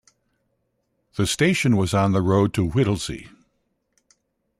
The station was on the road to Whittlesey.